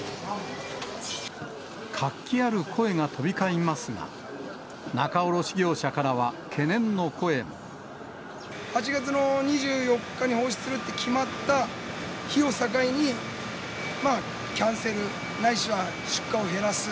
活気ある声が飛び交いますが、８月の２４日に放出するって決まった日を境に、まあ、キャンセルないしは出荷を減らす。